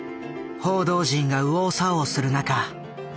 報道陣が右往左往する中。